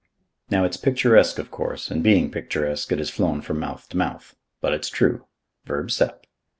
"Now, it's picturesque, of course, and being picturesque, it has flown from mouth to mouth. But it's true. Verb. sap.